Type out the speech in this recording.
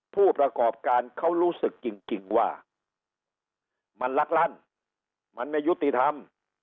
ผู้ประกอบการเขารู้สึกจริงว่ามันลักลั่นมันไม่ยุติธรรม